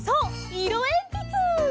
いろえんぴつ！